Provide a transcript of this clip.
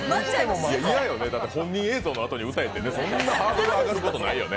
本人映像のあとで歌えって、そんなハードル上がることないよね。